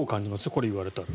これを言われたら。